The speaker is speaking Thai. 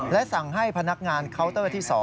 และสั่งให้พนักงานเคาน์เตอร์ที่๒